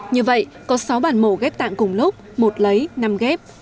như vậy có sáu bản mẫu ghép tạng cùng lúc một lấy năm ghép